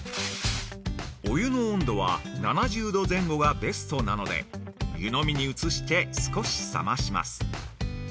◆お湯の温度は７０度前後がベストなので湯飲みに移して少し冷まします。